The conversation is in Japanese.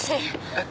えっ？